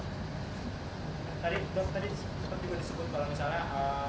tadi dok tadi seperti yang disebut kalau misalnya